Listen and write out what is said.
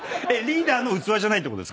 ⁉リーダーの器じゃないってこと？